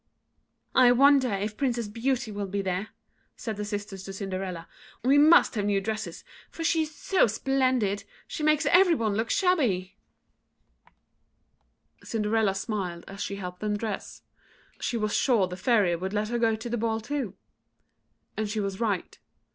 "I wonder if Princess Beauty will be there!" said the sisters to Cinderella. "We must have new dresses, for she is so splendid. She makes every one look shabby." [Illustration: CINDERELLA DANCES WITH THE PRINCE.] Cinderella smiled as she helped them to dress. She was sure the Fairy would let her go to the ball too. And she was right.